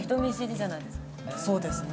そうですね。